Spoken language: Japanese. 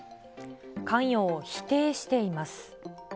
関与を否定しています。